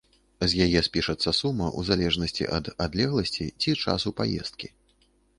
З яе спішацца сума у залежнасці ад адлегласці ці часу паездкі.